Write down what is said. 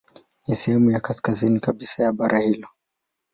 Ni sehemu ya kaskazini kabisa ya bara hilo.